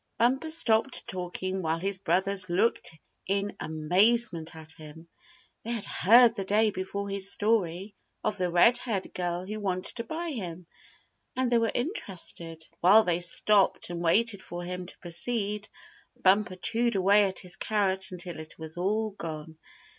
Bumper stopped talking while his brothers looked in amazement at him. They had heard the day before his story of the red haired girl who wanted to buy him, and they were interested. But while they stopped and waited for him to proceed, Bumper chewed away at his carrot until it was all gone.